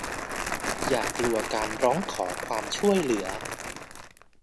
อย่ากลัวการร้องขอความช่วยเหลือ